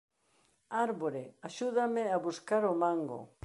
Árbore, axúdame a buscar o mango!